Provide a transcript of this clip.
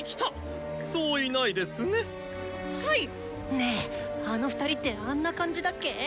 ねえあの２人ってあんな感じだっけ